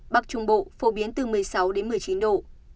bắc trung bộ phổ biến từ một mươi sáu đến một mươi chín độ